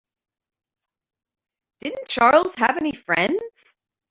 Didn't Charles have any friends?